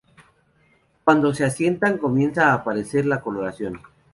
Cuando se asientan comienza a aparecer la coloración.